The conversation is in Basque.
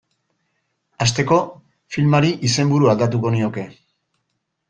Hasteko, filmari izenburua aldatuko nioke.